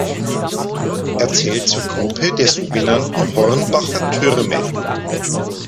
Er zählt zur Gruppe der sogenannten „Hornbacher Türme“.